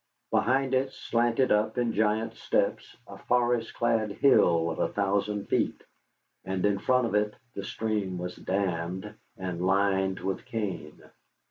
Behind it slanted up, in giant steps, a forest clad hill of a thousand feet, and in front of it the stream was dammed and lined with cane.